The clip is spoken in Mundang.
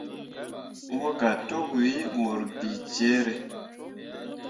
Mobga tokwii mur bicere.